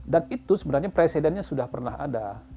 dan itu sebenarnya presidennya sudah pernah ada